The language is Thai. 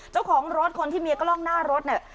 เจ้าของรถคนที่มีกล้องหน้ารถเนี่ย